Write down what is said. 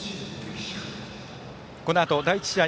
このあと開幕第１試合